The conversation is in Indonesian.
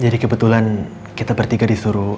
jadi kebetulan kita bertiga disuruh